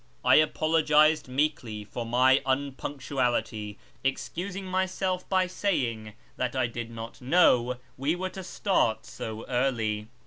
I apologised meekly for my unpunctuality, excusing myself by saying that I did not know we were to start so early.